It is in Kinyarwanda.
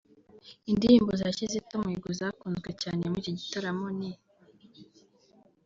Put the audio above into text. Indirimbo za Kizito Mihigo zakunzwe cyane muri iki gitaramo ni